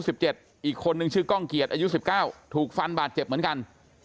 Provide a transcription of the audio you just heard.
อีกคนนึงชื่อก้องเกียจอายุ๑๙ถูกฟันบาดเจ็บเหมือนกัน